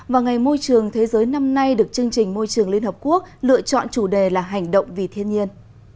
và ngày môi trường thế giới năm nay được chương trình môi trường liên hợp quốc lựa chọn chủ đề là hành động vì thiên nhiên